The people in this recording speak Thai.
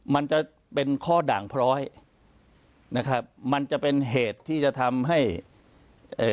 มันจะเป็นข้อด่างพร้อยนะครับมันจะเป็นเหตุที่จะทำให้เอ่อ